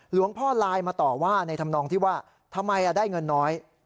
หลวงพ่อไลน์มาต่อว่าในธรรมนองที่ว่าทำไมได้เงินน้อย